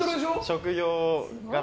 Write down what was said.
職業柄